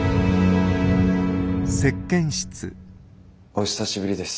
お久しぶりです。